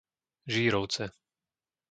Žírovce